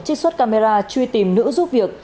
trích xuất camera truy tìm nữ giúp việc